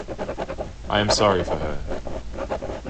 I am sorry for her.